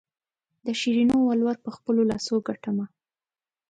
د شیرینو ولور په خپلو لاسو ګټمه.